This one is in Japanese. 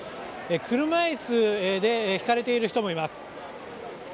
車椅子で引かれている人もいます。